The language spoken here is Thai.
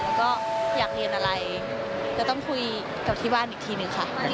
แล้วก็อยากเรียนอะไรจะต้องคุยกับที่บ้านอีกทีหนึ่งค่ะ